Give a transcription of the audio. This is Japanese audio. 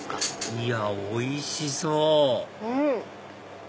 いやおいしそう！